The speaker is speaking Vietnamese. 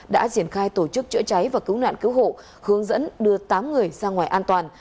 đã triển khai tổ chức chữa cháy và cứu nạn cứu hộ hướng dẫn đưa tám người ra ngoài an toàn